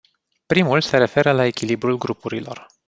Primul se referă la echilibrul grupurilor.